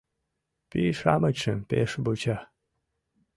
Пий-шамычшым пеш вуча...